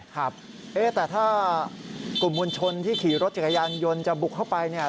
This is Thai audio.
แต่ถ้ากลุ่มบุญชนที่ขี่รถจักรยานยนต์จะบุกเข้าไป